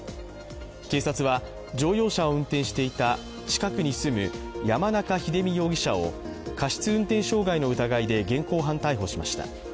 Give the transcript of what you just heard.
警察は、乗用車を運転していた近くに住む山中秀美容疑者を、過失運転傷害の疑いで現行犯逮捕しました。